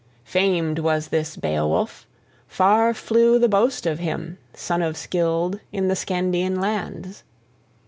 Famed was this Beowulf: {0a} far flew the boast of him, son of Scyld, in the Scandian lands.